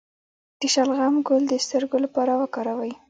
د شلغم ګل د سترګو لپاره وکاروئ